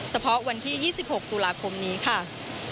เฉพาะวันที่๒๖ตุลาคมนี้ค่ะ